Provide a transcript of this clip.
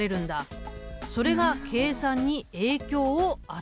それが計算に影響を与えているんだな。